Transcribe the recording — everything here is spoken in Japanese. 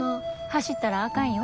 走ったらあかんよ。